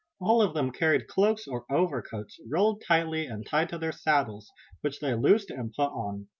All of them carried cloaks or overcoats rolled tightly and tied to their saddles, which they loosed and put on.